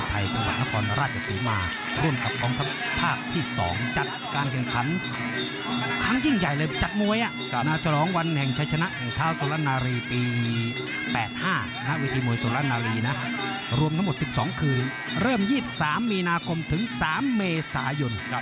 มวยไทยจังหวัดนครราชสุมาร่วมกับองค์ภาคที่สองจัดการเกี่ยวขันครั้งยิ่งใหญ่เลยจัดมวยน่าจะร้องวันแห่งชัยชนะแห่งเท้าโสลานาลีปี๘๕ณวิธีมวยโสลานาลีรวมทั้งหมด๑๒คืนเริ่ม๒๓มีนาคมถึง๓เมษายุ่น